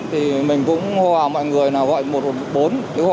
thì mình cũng hòa mọi người gọi một hộp bốn cái hỏa